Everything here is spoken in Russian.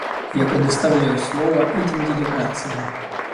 Я предоставляю слово этим делегациям.